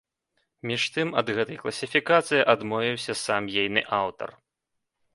Між тым, ад гэтай класіфікацыі адмовіўся сам ейны аўтар.